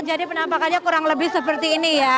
jadi penampakannya kurang lebih seperti ini ya